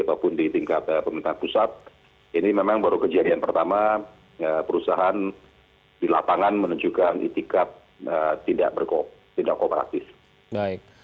apapun di tingkat pemerintahan pusat ini memang baru kejadian pertama perusahaan di lapangan menunjukkan itikat tidak kooperatif